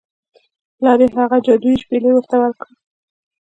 پلار یې هغه جادويي شپیلۍ ورته ورکړه.